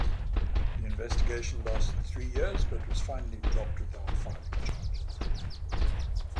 The investigation lasted three years, but was finally dropped without filing charges.